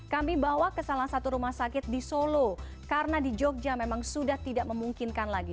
kami bawa ke salah satu rumah sakit di solo karena di jogja memang sudah tidak memungkinkan lagi